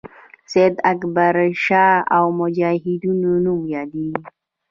سید اکبرشاه او مجاهدینو نوم یادیږي.